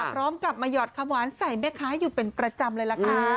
พร้อมกับมาหยอดคำหวานใส่แม่ค้าอยู่เป็นประจำเลยล่ะค่ะ